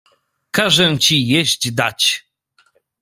"Każę ci jeść dać."